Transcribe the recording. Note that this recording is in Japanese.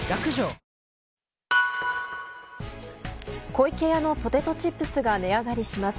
湖池屋のポテトチップスが値上がりします。